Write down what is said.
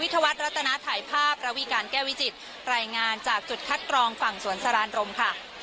ธวัฒน์รัตนาถ่ายภาพระวิการแก้วิจิตรายงานจากจุดคัดกรองฝั่งสวนสรานรมค่ะ